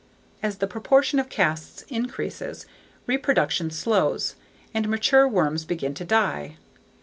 As the proportion of casts increases, reproduction slows, and mature worms begin to die.